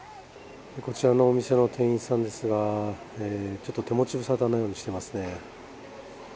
こちらのお店の店員さんですがちょっと手持ち無沙汰のようにしていますね。